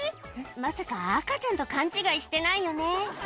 まさか赤ちゃんと勘違いしてないよね？